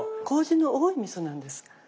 麹の多いみそなんです。